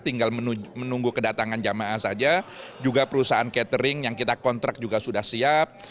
tinggal menunggu kedatangan jemaah saja juga perusahaan catering yang kita kontrak juga sudah siap